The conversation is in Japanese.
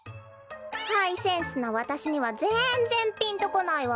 ハイセンスのわたしにはぜんぜんピンとこないわ。